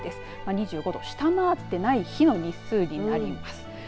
２５度を下回っていない日の日数になります。